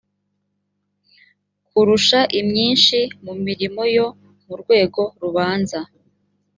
kurusha imyinshi mu mirimo yo mu rwego rubanza